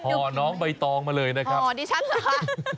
น้องใบตองมาเลยนะครับห่อดิฉันเหรอคะ